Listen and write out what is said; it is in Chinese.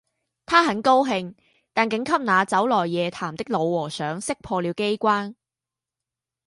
他很高兴；但竟给那走来夜谈的老和尚识破了机关